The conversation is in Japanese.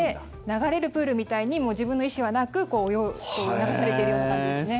流れるプールみたいに自分の意思はなく流されているような感じですね。